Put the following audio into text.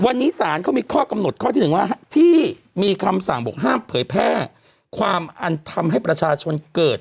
วันนี้ศาลเขามีข้อกำหนดข้อที่หนึ่งว่าที่มีคำสั่งบอกห้ามเผยแพร่ความอันทำให้ประชาชนเกิด